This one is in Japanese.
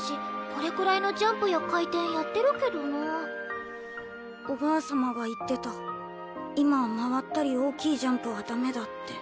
これくらいのジャンプや回転やってるけどなおばあ様が言ってた今は回ったり大きいジャンプはダメだ